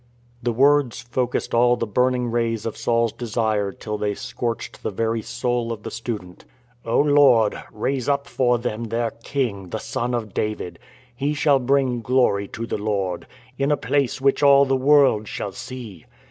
The words focussed all the burning rays of Saul's desire till they scorched the very soul of the student. " O Lord, raise up for them their King, the son of David. He shall bring glory to the Lord In a place which all the world shall see.